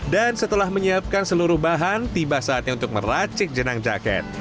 dan setelah menyiapkan seluruh bahan tiba saatnya untuk meracik jenang jaket